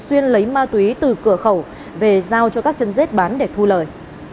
xuyên lấy ma túy từ cửa khẩu về giao cho các chân rết bán để thu lời